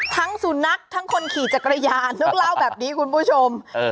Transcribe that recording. สุนัขทั้งคนขี่จักรยานต้องเล่าแบบนี้คุณผู้ชม